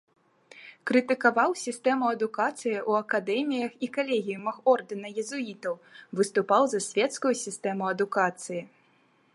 Крытыкаваў сістэму адукацыі ў акадэміях і калегіумах ордэна езуітаў, выступаў за свецкую сістэму адукацыі.